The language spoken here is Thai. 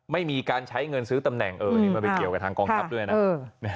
ไม่มีการใช้เงินซื้อตำแหน่งนี่มันไปเกี่ยวกับทางกองทัพด้วยนะ